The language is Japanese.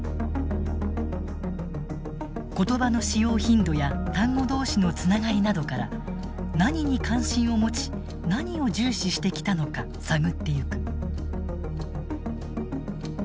言葉の使用頻度や単語同士のつながりなどから何に関心を持ち何を重視してきたのか探っていく。